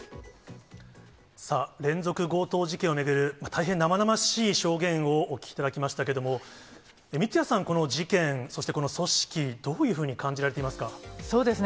さあ、連続強盗事件を巡る大変生々しい証言をお聞きいただきましたけれども、三屋さん、この事件、そしてこの組織、どういうふうにそうですね。